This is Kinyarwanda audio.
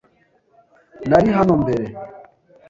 Nari hano mbere.